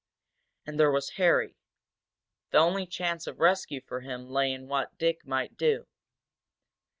And there was Harry. The only chance of rescue for him lay in what Dick might do.